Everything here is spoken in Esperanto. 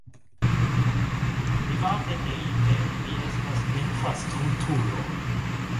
Private dirite, li estas nepra stultulo.